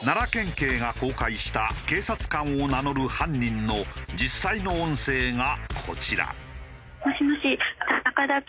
警が公開した警察官を名乗る犯人の実際の音声がこちら。